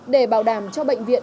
để bảo đảm cho bệnh viện